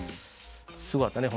すごかったね。